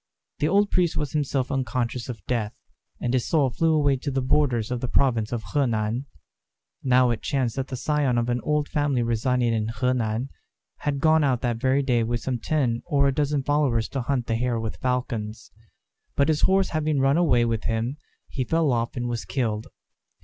The old priest was himself unconscious of death, and his soul flew away to the borders of the province of Honan. Now it chanced that the scion of an old family residing in Honan, had gone out that very day with some ten or a dozen followers to hunt the hare with falcons; but his horse having run away with him he fell off and was killed.